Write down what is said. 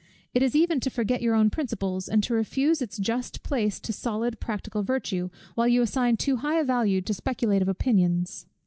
It is even to forget your own principles; and to refuse its just place to solid practical virtue, while you assign too high a value to speculative opinions."